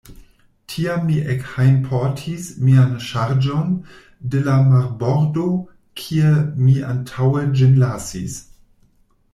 Tiam mi ekhejmportis mian ŝarĝon de la marbordo, kie mi antaŭe ĝin lasis.